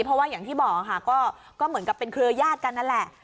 เพราะว่าอย่างที่บอกค่ะก็เหมือนกับเป็นเครือญาติกันนั่นแหละ